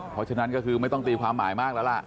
เพราะฉะนั้นก็คือไม่ต้องตีความหมายมากแล้วล่ะ